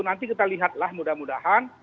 nanti kita lihatlah mudah mudahan